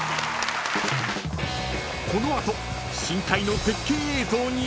［この後深海の絶景映像に］